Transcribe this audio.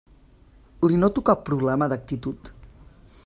Li noto cap problema d'actitud?